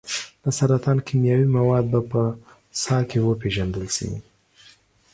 د سرطان کیمیاوي مواد به په ساه کې وپیژندل شي.